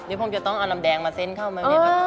นี่ผมจะต้องเอาน้ำแดงมาเซ็นเข้าไหม